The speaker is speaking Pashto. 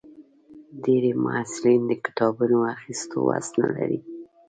ډېری محصلین د کتابونو اخیستو وس نه لري.